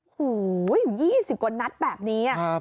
หูยยยย๒๐กว่านัดแบบนี้